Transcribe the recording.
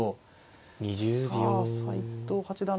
さあ斎藤八段